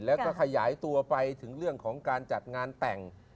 แล้วก็ขยายตัวไปถึงเรื่องของการจัดงานแต่ง